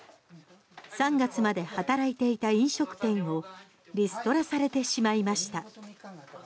３月まで働いていた飲食店をリストラされてしまいました。